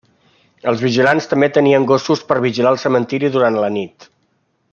Els vigilants també tenien gossos per vigilar el cementiri durant la nit.